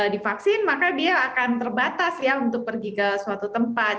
divaksin maka dia akan terbatas ya untuk pergi ke suatu tempat